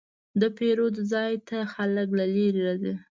د پیرود ځای ته خلک له لرې راځي.